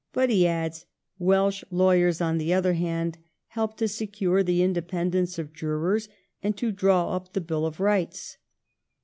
But he adds, ' Welsh lawyers, on the other hand, helped to secure the independence of jurors and to draw up the Bill of Eights.'